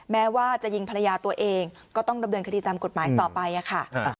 แม้ว่าจะยิงภรรยาตัวเองก็ต้องดำเนินคดีตามกฎหมายต่อไปค่ะ